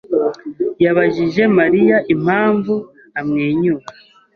yabajije Mariya impamvu amwenyura.